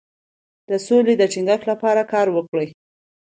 د سولې د ټینګښت لپاره کار وکړئ.